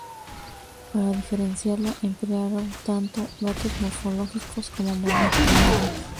Para diferenciarla emplearon tanto datos morfológicos como moleculares.